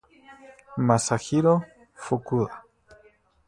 Masahiro Fukuda